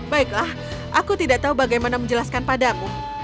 baiklah aku tidak tahu bagaimana menjelaskan padamu